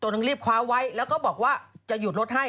ต้องรีบคว้าไว้แล้วก็บอกว่าจะหยุดรถให้